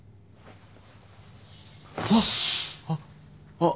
・あっ！